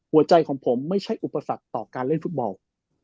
หัวใจของผมไม่ใช่อุปสรรคต่อการเล่นฟุตบอล